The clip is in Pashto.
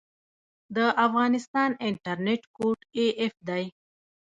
د افغانستان انټرنیټ کوډ af دی